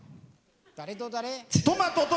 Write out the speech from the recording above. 誰と誰？